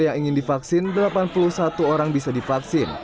yang ingin divaksin delapan puluh satu orang bisa divaksin